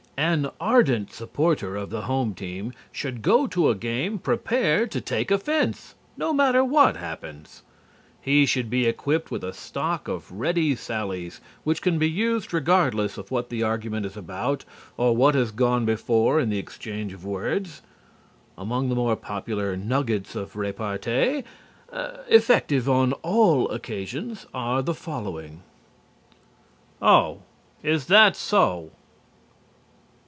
An ardent supporter of the home team should go to a game prepared to take offense, no matter what happens. He should be equipped with a stock of ready sallies which can be used regardless of what the argument is about or what has gone before in the exchange of words. Among the more popular nuggets of repartee, effective on all occasions, are the following: "Oh, is that so?"